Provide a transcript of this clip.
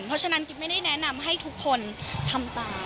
เพราะฉะนั้นกิ๊บไม่ได้แนะนำให้ทุกคนทำตาม